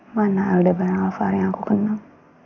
mana aldebaran alvar yang aku kenal